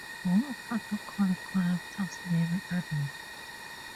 More protocol connectors may be added.